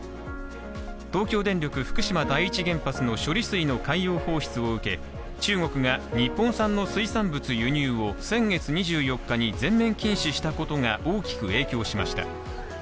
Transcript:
東京電力福島第一原発の処理水の海洋放出を受け中国が日本産の水産物輸入を先月２４日に全面禁止したことが大きく影響しました。